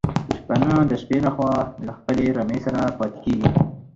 شپانه د شپې لخوا له خپلي رمې سره پاتي کيږي